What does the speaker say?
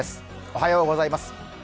おはようございます。